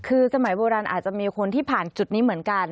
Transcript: คือสมัยโบราณอาจจะมีคนที่ผ่านจุดนี้เหมือนกัน